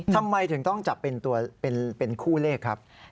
ทำไมถึงต้องจับเป็นคู่เลขครับ